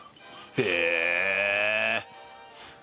へえ